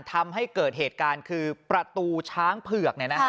ทำให้เกิดเหตุการณ์คือประตูช้างเผือก